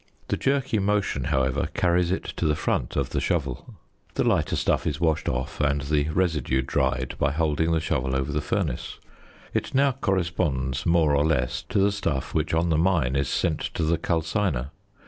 The jerky motion, however, carries it to the front of the shovel. The lighter stuff is washed off, and the residue dried by holding the shovel over the furnace. It now corresponds, more or less, to the stuff which on the mine is sent to the calciner.